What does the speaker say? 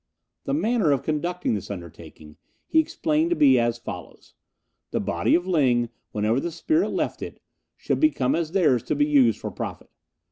The manner of conducting this undertaking he explained to be as follows: The body of Ling, whenever the spirit left it, should become as theirs to be used for profit.